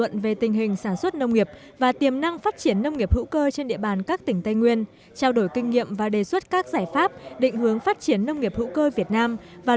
nông nghiệp hữu cơ việt nam